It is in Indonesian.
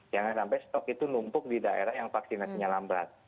jangan sampai stok itu numpuk di daerah yang vaksinasinya lambat